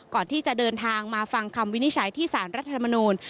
ก่อนที่จะเดินทางมาฟังคำวินิจฉัยที่สารรัฐธรรมนูล